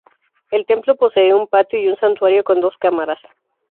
El templo posee un patio y un santuario con dos cámaras.